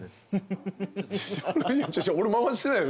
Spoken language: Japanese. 俺回してないよ